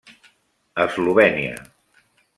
Eslovènia.